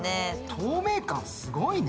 透明感すごいね。